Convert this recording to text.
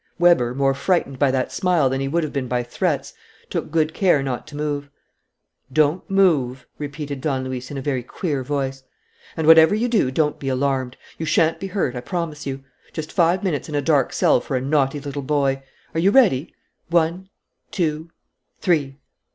Weber, more frightened by that smile than he would have been by threats, took good care not to move. "Don't move," repeated Don Luis, in a very queer voice. "And, whatever you do, don't be alarmed. You shan't be hurt, I promise you. Just five minutes in a dark cell for a naughty little boy. Are you ready? One two, three!